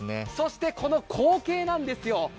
そしてこの光景なんですよ。